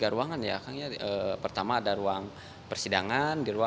tiga ruangan ya pertama ada ruang persidangan